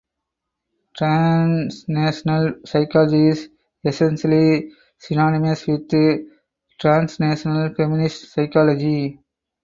Transnational psychology is essentially synonymous with transnational feminist psychology.